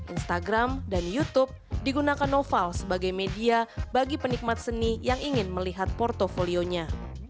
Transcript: instagram dan youtube digunakan noval sebagai media bagi penikmat seni yang ingin melihat portfolionya